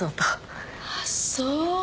あっそう。